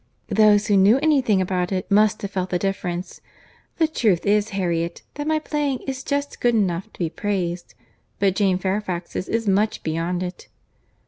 "Those who knew any thing about it, must have felt the difference. The truth is, Harriet, that my playing is just good enough to be praised, but Jane Fairfax's is much beyond it."